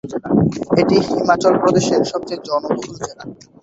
এটি হিমাচল প্রদেশের সবচেয়ে জনবহুল জেলা।